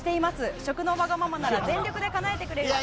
食のわがままなら全力でかなえてくれるという。